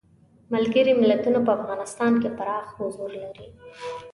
ملګري ملتونه په افغانستان کې پراخ حضور لري.